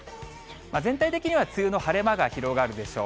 全体的には梅雨の晴れ間が広がるでしょう。